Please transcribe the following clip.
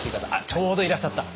ちょうどいらっしゃった。